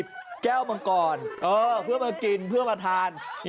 สาวตอนต่อไป